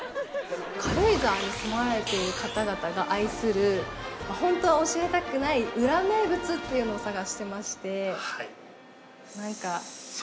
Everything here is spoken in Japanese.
軽井沢に住まれている方々が愛する本当は教えたくない裏名物っていうのを探してまして。